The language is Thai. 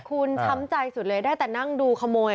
คุณช้ำใจสุดเลยได้แต่นั่งดูขโมย